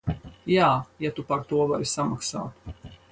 Jā, ja tu par to vari samaksāt.